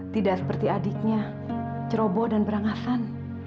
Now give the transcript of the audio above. tidak seperti adiknya ceroboh dan berangasan